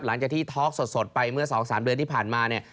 หลังจากที่ท็อกสดไปเมื่อ๒๓เดือนที่ผ่านมาเนี่ย